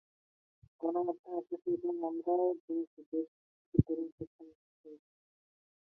গণমাধ্যমে এসেছে এবং আমরাও জেনেছি, বেশ কিছু তরুণ স্বেচ্ছায় নিখোঁজ রয়েছে।